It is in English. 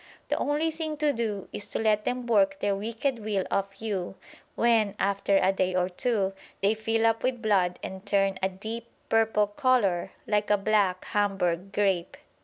The only thing to do is to let them work their wicked will of you, when, after a day or two, they fill up with blood and turn a deep purple colour like a black Hamburg grape.